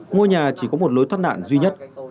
ngôi nhà chỉ có một lối thoát nạn duy nhất